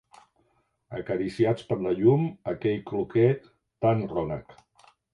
...acariciats per la llum; aquell cloquer tan rònec